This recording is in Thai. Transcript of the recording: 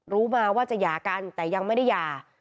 รู้มาว่าจะหย่ากันแต่ยังไม่ได้หย่า